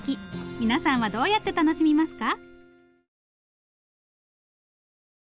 皆さんはどうやって楽しみますか？